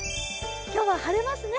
今日は晴れますね。